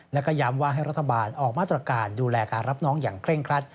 แล้วก็ย้ำว่าให้รัฐบาลออกมาตรการดูแลการรับน้องอย่างเคร่งครัด